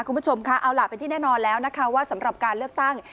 คุณผู้ชมค่ะเอาล่ะเป็นที่แน่นอนแล้วนะคะว่าสำหรับการเลือกตั้ง